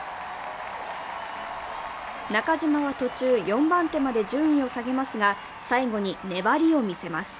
中島は途中、４番手まで順位を下げますが、最後に粘りを見せます。